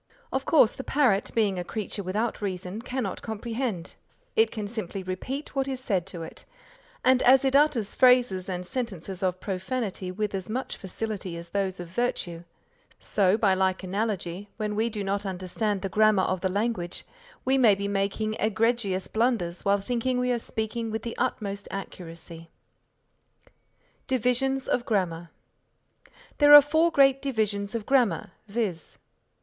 Of course the parrot, being a creature without reason, cannot comprehend; it can simply repeat what is said to it, and as it utters phrases and sentences of profanity with as much facility as those of virtue, so by like analogy, when we do not understand the grammar of the language, we may be making egregious blunders while thinking we are speaking with the utmost accuracy. DIVISIONS OF GRAMMAR There are four great divisions of Grammar, viz.